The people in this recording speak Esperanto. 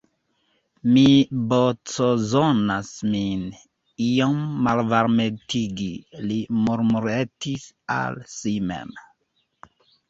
Mi bczonas min iom malvarmetigi, li murmuretis al si mem.